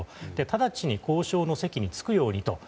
直ちに交渉の席に着くようにと。